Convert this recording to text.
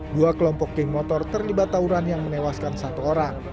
dua kelompok geng motor terlibat tawuran yang menewaskan satu orang